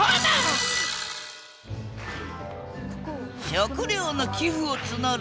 食料の寄付を募る